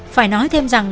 phải nói thêm rằng